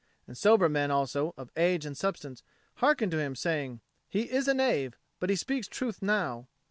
And sober men also, of age and substance, hearkened to him, saying, "He is a knave, but he speaks truth now."